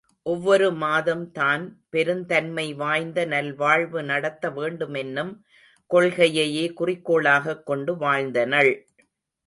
ஒவ்வொரு மாதம் தான் பெருந்தன்மை வாய்ந்த நல் வாழ்வு நடத்த வேண்டுமென்னும் கொள்கையையே குறிக்கோளாகக் கொண்டு வாழ்ந்தனள்.